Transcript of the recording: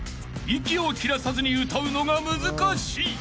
［息を切らさずに歌うのが難しい］